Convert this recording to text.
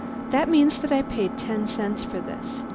"That means that I paid ten cents for this.